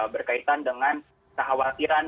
berkaitan dengan kekhawatiran